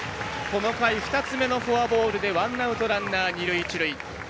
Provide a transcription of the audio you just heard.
この回２つ目のフォアボールでワンアウト、ランナー二塁、一塁。